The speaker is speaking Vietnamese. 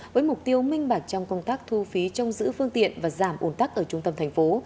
với mục tiêu minh bạch trong công tác thu phí trong giữ phương tiện và giảm ủn tắc ở trung tâm thành phố